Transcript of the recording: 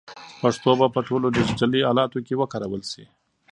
پښتو به په ټولو ډیجیټلي الاتو کې وکارول شي.